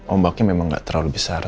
ombaknya memang nggak terlalu besar